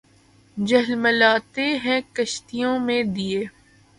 جھلملاتے ہیں کشتیوں میں دیے